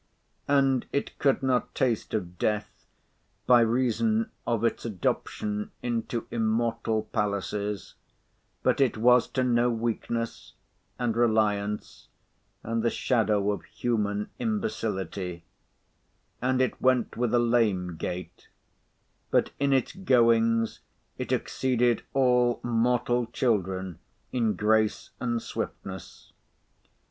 And it could not taste of death, by reason of its adoption into immortal palaces: but it was to know weakness, and reliance, and the shadow of human imbecility; and it went with a lame gait; but in its goings it exceeded all mortal children in grace and swiftness.